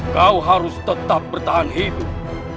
kau harus tetap bertahan hidup